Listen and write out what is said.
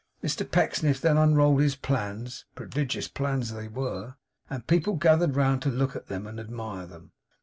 Mr Pecksniff then unrolled his Plans (prodigious plans they were), and people gathered round to look at and admire them.